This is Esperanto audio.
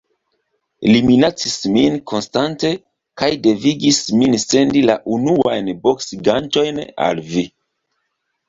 Li minacis min konstante kaj devigis min sendi la unuajn boksgantojn al vi.